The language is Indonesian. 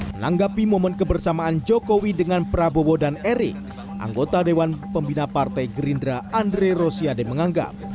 menanggapi momen kebersamaan jokowi dengan prabowo dan erik anggota dewan pembina partai gerindra andre rosiade menganggap